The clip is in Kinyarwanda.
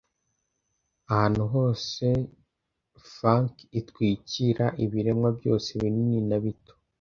ahantu hose funk itwikira ibiremwa byose binini na bito